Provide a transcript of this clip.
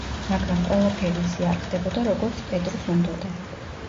მაგრამ ყველაფერი ისე არ ხდებოდა როგორც პედრუს უნდოდა.